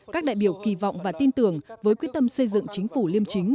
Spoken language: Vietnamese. các đại biểu kỳ vọng và tin tưởng với quyết tâm xây dựng chính phủ liêm chính